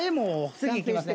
次いきます。